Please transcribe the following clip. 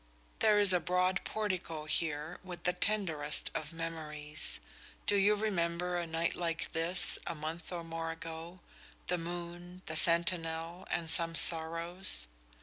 "There is a broad portico here, with the tenderest of memories. Do you remember a night like this, a month or more ago? the moon, the sentinel and some sorrows?